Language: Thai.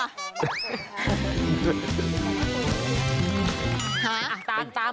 ที่นี่มันเสาครับ